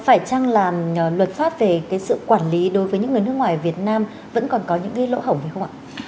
phải chăng là luật pháp về cái sự quản lý đối với những người nước ngoài ở việt nam vẫn còn có những cái lỗ hổng phải không ạ